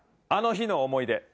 「あの日の思い出」